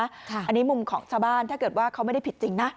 อันนี้มุมของชาวบ้านถ้าเกิดว่าเขาไม่ได้ผิดจริงนะ